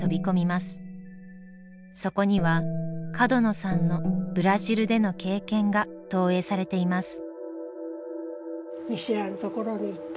そこには角野さんのブラジルでの経験が投影されています。